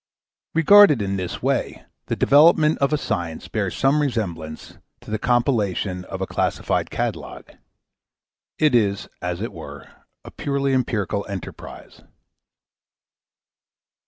Regarded in this way, the development of a science bears some resemblance to the compilation of a classified catalogue. It is, as it were, a purely empirical enterprise.